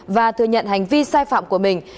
và thừa nhận hành vi sai phạm của mình